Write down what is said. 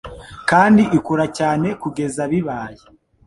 kandi ikura cyane kugeza bibaye